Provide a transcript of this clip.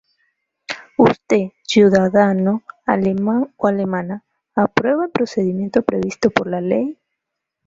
Usted, ciudadano alemán o alemana, ¿aprueba el procedimiento previsto por la Ley?